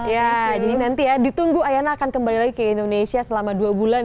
ya jadi nanti ya ditunggu ayana akan kembali lagi ke indonesia selama dua bulan